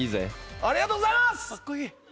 ありがとうございます！